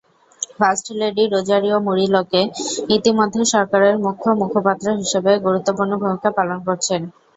First lady Rosario মুরিলোকে ইতিমধ্যে সরকারের মুখ্য মুখপাত্র হিসেবে গুরুত্বপূর্ণ ভূমিকা পালন করছেন।